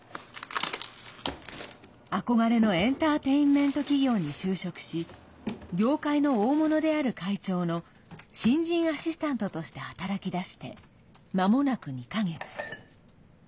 憧れのエンターテインメント企業に就職し業界の大物である会長の新人アシスタントとして働きだして、まもなく２か月。